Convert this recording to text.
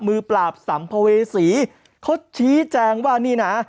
มือปราบสัมภเวษีเขาชี้แจงว่านี่นะ